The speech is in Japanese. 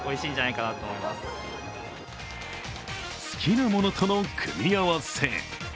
好きなものとの組み合わせ。